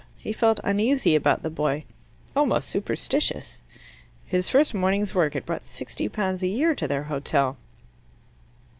He felt uneasy about the boy almost superstitious. His first morning's work had brought sixty pounds a year to their hotel.